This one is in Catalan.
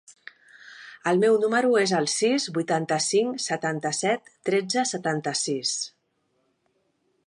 El meu número es el sis, vuitanta-cinc, setanta-set, tretze, setanta-sis.